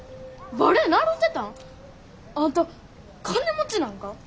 バレエ習うてたん！？あんた金持ちなんか？